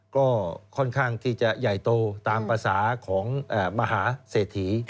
ก็ค่อนข้างที่จะใหญ่โตตามภาษาของมหาเศรษฐี